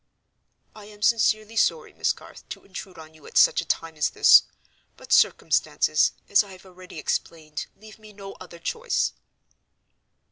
"I am sincerely sorry, Miss Garth, to intrude on you at such a time as this. But circumstances, as I have already explained, leave me no other choice."